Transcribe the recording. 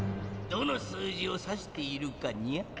どの数字をさしているかにゃ？